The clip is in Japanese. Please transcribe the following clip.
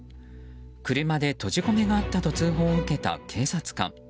車で閉じ込めがあったと通報を受けた警察官。